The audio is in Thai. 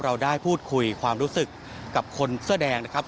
เราได้พูดคุยความรู้สึกกับคนเสื้อแดงนะครับ